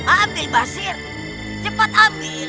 ambil mbak sir cepat ambil